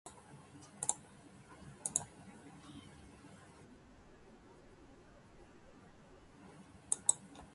私は夜型の生活をしています。